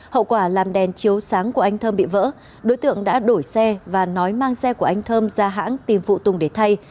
hậu quả làm đèn chiếu sáng của anh thơm bị vỡ đối tượng đã đổi xe và nói mang xe của anh thơm ra hãng tìm phụ tùng để thay